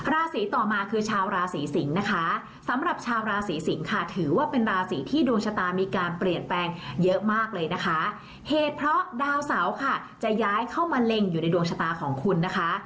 ราศีต่อมาคือชาวราศีสิงศ์นะคะสำหรับชาวราศีสิงค่ะถือว่าเป็นราศีที่ดวงชะตามีการเปลี่ยนแปลงเยอะมากเลยนะคะเหตุเพราะดาวเสาค่ะจะย้ายเข้ามาเล็งอยู่ในดวงชะตาของคุณนะคะ